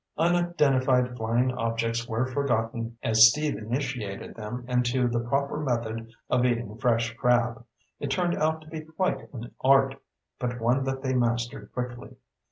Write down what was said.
Unidentified flying objects were forgotten as Steve initiated them into the proper method of eating fresh crab. It turned out to be quite an art, but one that they mastered quickly.